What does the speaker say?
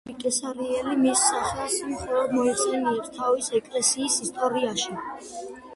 ევსები კესარიელი მის სახელს მხოლოდ მოიხსენიებს თავის „ეკლესიის ისტორიაში“.